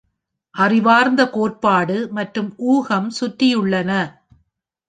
அறிவார்ந்த கோட்பாடு மற்றும் ஊகம் சுற்றியுள்ளன.